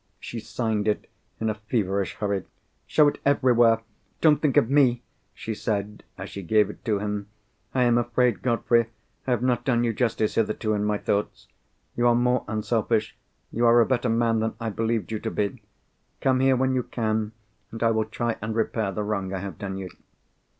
She signed it in a feverish hurry. "Show it everywhere—don't think of me," she said, as she gave it to him. "I am afraid, Godfrey, I have not done you justice, hitherto, in my thoughts. You are more unselfish—you are a better man than I believed you to be. Come here when you can, and I will try and repair the wrong I have done you."